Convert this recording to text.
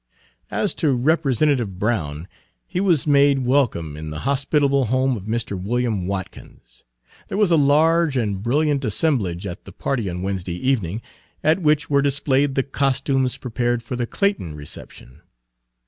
As to Representative Brown, he was made welcome in the hospitable home of Mr. William Watkins. There was a large and brilliant assemblage at the party on Wednesday evening, at which were displayed the costumes prepared for the Clayton reception.